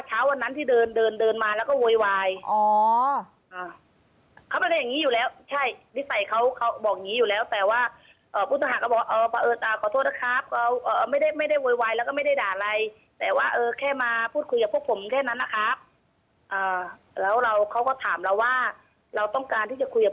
เฉ้าวันนั้นที่เดินเดินมาแล้วก็โวยวาย